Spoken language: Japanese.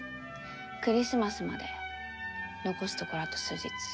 クリスマスまで残すところあと数日。